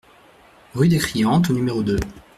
Rue des Criantes au numéro deux